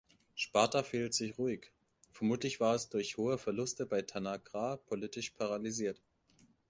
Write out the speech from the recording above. Sparta verhielt sich ruhig; vermutlich war es durch hohe Verluste bei Tanagra politisch paralysiert.